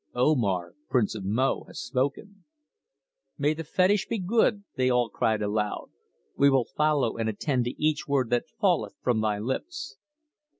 Omar, Prince of Mo, has spoken." "May the fetish be good," they all cried aloud. "We will follow and attend to each word that falleth from thy lips."